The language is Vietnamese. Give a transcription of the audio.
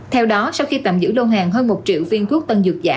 theo đó sau khi tạm giữ lô hàng hơn một triệu viên thuốc tân dược giả